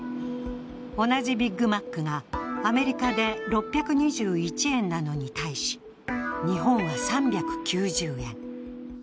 同じビッグマックがアメリカで６２１円なのに対し日本は３９０円。